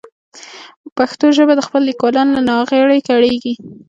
پښتو ژبه د خپلو لیکوالانو له ناغېړۍ کړېږي.